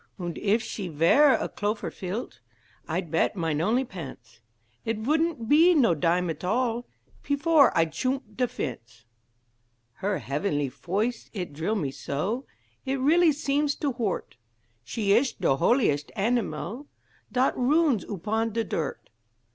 Und if she vere a clofer fieldt, I'd bet mine only pence, It vouldn't pe no dime at all Pefore I'd shoomp de fence. Her heafenly foice it drill me so, It really seems to hoort; She ish de holiest anamile Dat roons oopon de dirt.